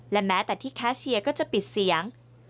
และแม้แต่ที่แคชเชียร์ก็จะปิดเสียง